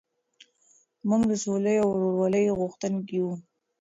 موږ د سولې او ورورولۍ غوښتونکي یو.